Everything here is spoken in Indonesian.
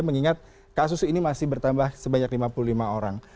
mengingat kasus ini masih bertambah sebanyak lima puluh lima orang